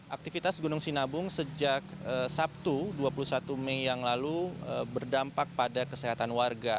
aktivitas gunung sinabung sejak sabtu dua puluh satu mei yang lalu berdampak pada kesehatan warga